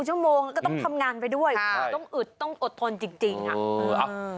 ก็ต้องทำงานไปด้วยต้องอุดต้องอดทนจริงครับ